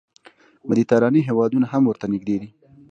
مدیترانې هېوادونه هم ورته نږدې دي.